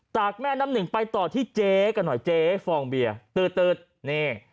แม่น้ำหนึ่งไปต่อที่เจ๊กันหน่อยเจ๊ฟองเบียร์ตืดนี่